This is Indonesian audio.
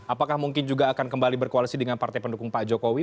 apakah mungkin juga akan kembali berkoalisi dengan partai pendukung pak jokowi